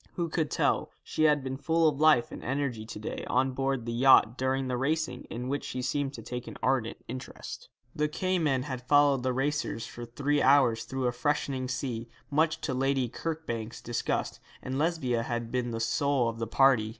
Who could tell? She had been full of life and energy to day on board the yacht during the racing, in which she seemed to take an ardent interest. The Cayman had followed the racers for three hours through a freshening sea, much to Lady Kirkbank's disgust, and Lesbia had been the soul of the party.